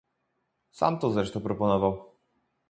Sam to zresztą proponował